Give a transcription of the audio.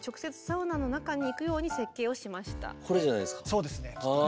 そうですねきっとね。